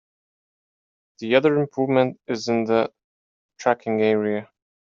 The other improvement is in the tracking area.